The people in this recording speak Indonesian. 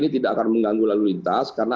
ini tidak akan mengganggu lalu lintas karena